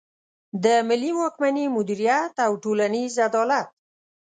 د ملي واکمني مدیریت او ټولنیز عدالت.